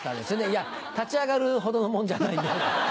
いや立ち上がるほどのもんじゃないんで。